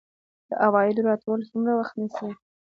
د عوایدو راټولول څومره سخت دي؟